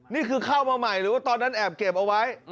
นี่คือเข้ามาใหม่หรือว่าตอนนั้นแอบเก็บเอาไว้